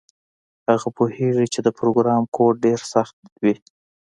هغه پوهیږي چې د پروګرام کوډ ډیر سخت وي